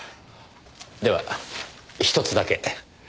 ではひとつだけ。